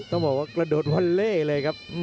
ต้องบอกว่ากระโดดวอลเล่เลยครับ